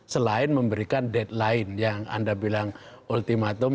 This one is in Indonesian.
selain memberikan deadline yang anda bilang ultimatum